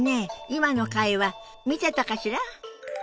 今の会話見てたかしら？